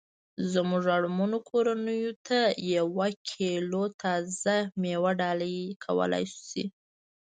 زمونږ اړمنو کورنیوو ته یوه کیلو تازه میوه ډالۍ کولای شي